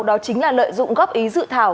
đó chính là lợi dụng góp ý dự thảo